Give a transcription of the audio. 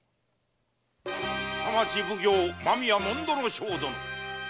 北町奉行・間宮主水正殿。